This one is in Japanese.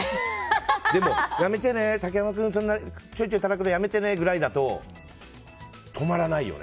でも、やめてね、竹山君ちょいちょいたたくのやめてねくらいだと止まらないよね。